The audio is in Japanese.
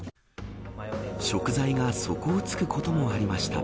食材が底をつくこともありました。